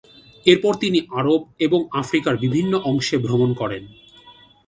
এরপর তিনি আরব এবং আফ্রিকার বিভিন্ন অংশে ভ্রমণ করেন।